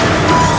jangan ganggu dia